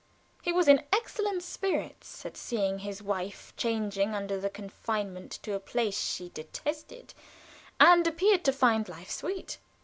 He was in excellent spirits at seeing his wife chafing under the confinement to a place she detested, and appeared to find life sweet.